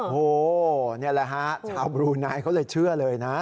โอ้โหนี่แหละฮะชาวบรูไนเขาเลยเชื่อเลยนะ